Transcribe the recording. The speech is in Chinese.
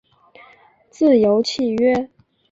自由契约。